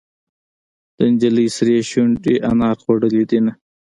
د نجلۍ سرې شونډې انار خوړلې دينهه.